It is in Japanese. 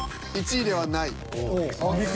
１位ではない。